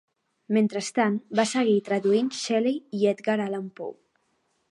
Mentrestant, va seguir traduint Shelley i Edgar Allan Poe.